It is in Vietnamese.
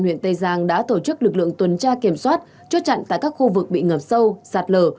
huyện tây giang đã tổ chức lực lượng tuần tra kiểm soát chốt chặn tại các khu vực bị ngập sâu sạt lở